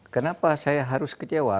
kenapa saya harus kecewa